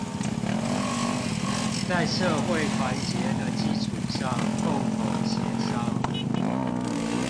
在社會團結的基礎上共同協商